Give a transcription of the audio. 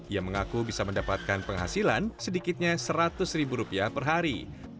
ia mengaku bisa mendapatkan penghasilan sedikitnya seratus ribu rupiah per hari